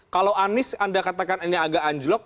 kalau anies anda katakan ini agak anjlok